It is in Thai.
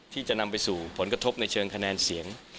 ที่จะนำไปสู่ผลกระทบในเชิงคะแนนเสียง